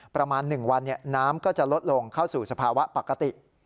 ประมาณ๑วันน้ำก็จะลดลงเข้าสู่สภาวะปกติ